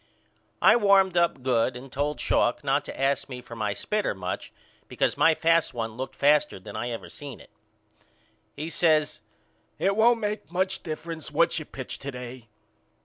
I warmed up good and told Schalk not to ask me for my spitter much because my fast one looked faster than I ever seen it. He says it won't make much difference what you pitch to day.